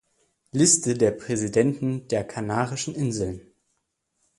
Liste der Präsidenten der Kanarischen Inseln